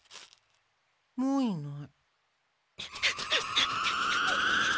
もういない。